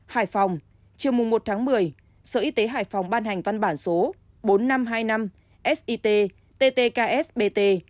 hải phòng chiều một một mươi sở y tế hải phòng ban hành văn bản số bốn nghìn năm trăm hai mươi năm sit ttksbt